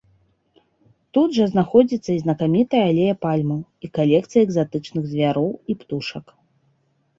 Тут жа знаходзіцца і знакамітая алея пальмаў, і калекцыя экзатычных звяроў і птушак.